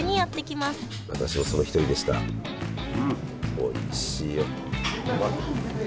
おいしいよ。